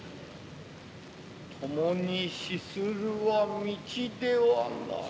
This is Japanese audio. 共に死するは道ではない。